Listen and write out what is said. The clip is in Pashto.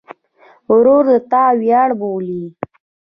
ورور د تا ویاړ بولې.